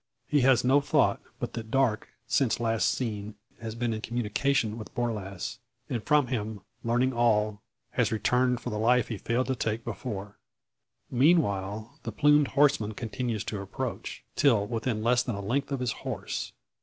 He has no thought but that Darke, since last seen, has been in communication with Borlasse; and from him learning all, has, returned for the life he failed to take before. Meanwhile the plumed horseman continues to approach, till within less than a length of his horse.